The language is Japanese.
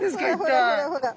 ほらほらほらほら。